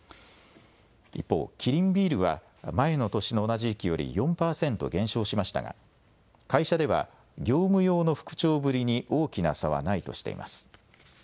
一方、キリンビールは前の年の同じ時期より４％減少しましたが会社では業務用の復調ぶりに大きな差はないとしています。